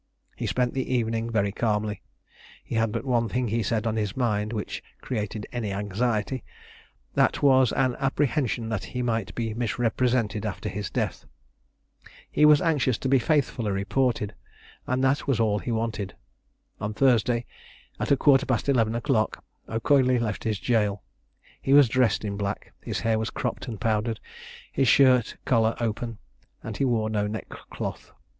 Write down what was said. He spent the evening very calmly. He had but one thing, he said, on his mind which created any anxiety; that was, an apprehension that he might be misrepresented after his death. He was anxious to be faithfully reported, and that was all he wanted. On Thursday, at a quarter past eleven o'clock, O'Coigley left the jail. He was dressed in black; his hair was cropped and powdered, his shirt collar open, and he wore no neckcloth.